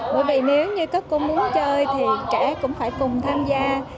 bởi vì nếu như các cô muốn chơi thì trẻ cũng phải cùng tham gia